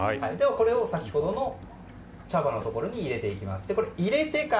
これを先ほどの茶葉のところに入れていきます。